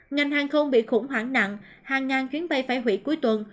ngành hàng không bị khủng hoảng nặng hàng ngàn chuyến bay phải hủy cuối tuần